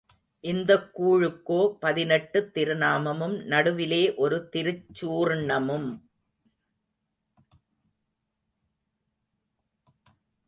இந்தக் கூழுக்கோ பதினெட்டுத் திருநாமமும் நடுவிலே ஒரு திருச்சூர்ணமும்.